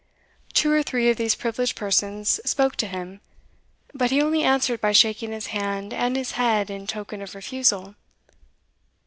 Two or three of these privileged persons spoke to him, but he only answered by shaking his hand and his head in token of refusal.